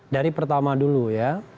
dari pertama dulu ya